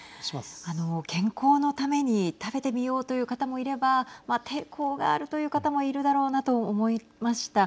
あの健康のために食べてみようという方もいれば抵抗があるという方もいるだろうなと思いました。